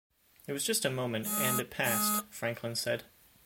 It was just a moment and it passed, Franklin said.